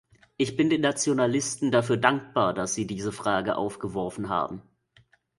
Ich bin den Nationalisten dafür dankbar, dass sie diese Frage aufgeworfen haben.